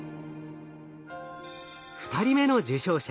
２人目の受賞者